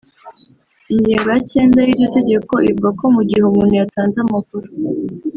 Ingingo ya cyenda y’iryo tegeko ivuga ko mu gihe umuntu yatanze amakuru